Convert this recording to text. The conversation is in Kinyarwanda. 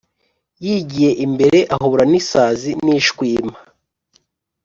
Yigiye imbere ahura n’ isazi n’ ishwima